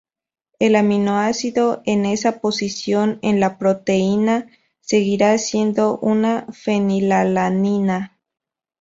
El aminoácido en esa posición en la proteína seguirá siendo una fenilalanina.